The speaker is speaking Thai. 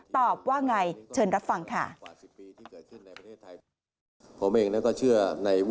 ตอบว่าไงเชิญรับฟังค่ะ